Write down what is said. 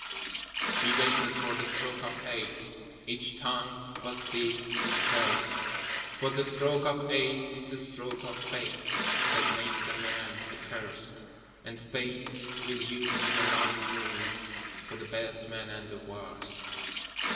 We waited for the stroke of eight: Each tongue was thick with thirst: For the stroke of eight is the stroke of Fate That makes a man accursed, And Fate will use a running noose For the best man and the worst.